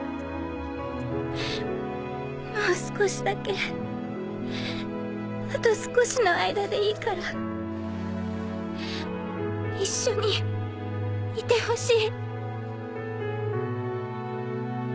もう少しだけあと少しの間でいいから一緒にいてほしい。